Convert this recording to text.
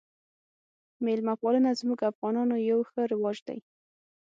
میلمه پالنه زموږ افغانانو یو ښه رواج دی